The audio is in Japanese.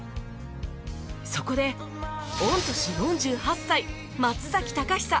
そこで御年４８歳松崎貴久